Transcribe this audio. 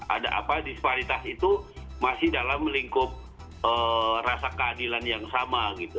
ada apa disparitas itu masih dalam lingkup rasa keadilan yang sama gitu